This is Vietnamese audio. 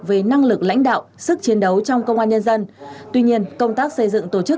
về năng lực lãnh đạo sức chiến đấu trong công an nhân dân tuy nhiên công tác xây dựng tổ chức